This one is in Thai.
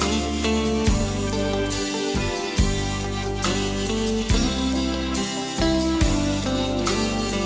ดะแลก